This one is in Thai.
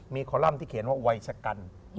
มีคอลัมป์ที่เขียนว่าวัยชะกัน